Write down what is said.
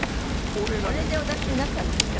これでお出しになったんですか？